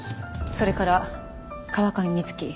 それから川上美月